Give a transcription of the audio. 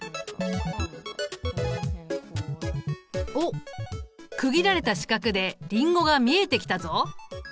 おっ区切られた四角でリンゴが見えてきたぞ。